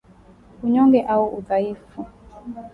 Unyonge au udhaifu